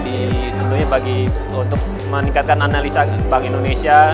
tentunya bagi untuk meningkatkan analisa bank indonesia